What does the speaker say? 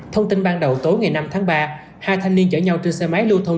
thông tin ban đầu tối ngày năm tháng ba hai thanh niên chở nhau trên xe máy lưu thông